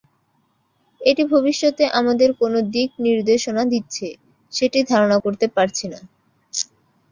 এটি ভবিষ্যতে আমাদের কোনো দিক নির্দেশনা দিচ্ছে, সেটি ধারণা করতে পারছি না।